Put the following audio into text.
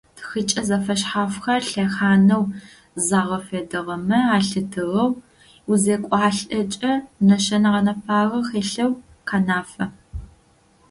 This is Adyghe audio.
Тхыкӏэ зэфэшъхьафхэр лъэхъанэу загъэфедагъэмэ ялъытыгъэу узекӏуалӏэкӏэ, нэшэнэ гъэнэфагъэ хэлъэу къэнафэ.